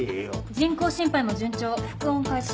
人工心肺も順調復温開始。